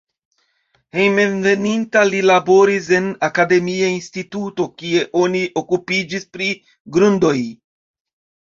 Hejmenveninta li laboris en akademia instituto, kie oni okupiĝis pri grundoj.